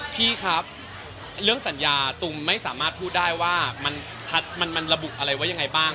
พี่ครับเรื่องสัญญาตุ๋มไม่สามารถพูดได้ว่ามันระบุอะไรไว้ยังไงบ้าง